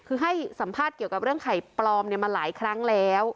คือให้สัมภาษณ์เกี่ยวกับเรื่องไข่ปลอมมาหลายครั้งแล้ว